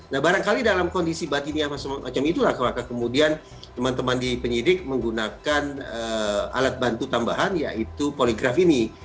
nah barangkali dalam kondisi batinnya apa semacam itulah maka kemudian teman teman di penyidik menggunakan alat bantu tambahan yaitu poligraf ini